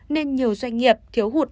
nên nhiều doanh nghiệp thiếu hụt